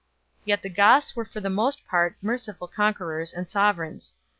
Yet the Goths were for the most part merciful conquerors and sovereigns.